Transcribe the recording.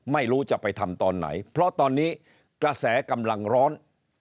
ไม่รู้จะไปทำตอนไหนเพราะตอนนี้กระแสกำลังร้อน